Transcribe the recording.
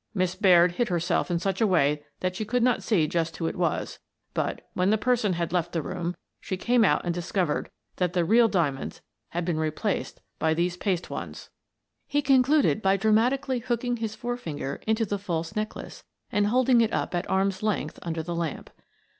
Miss Baird hid her self in such a way that she could not see just who it was, but, when the person had left the room, she came out and discovered that the real diamonds had been replaced by these paste ones." 4» "Dead for a Ducat" 43 He concluded by dramatically hooking* his fore finger into the false necklace and holding it up at arm's length under the lamp.